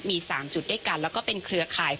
มี๓จุดด้วยกันแล้วก็เป็นเครือข่าย